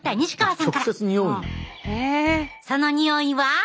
そのにおいは？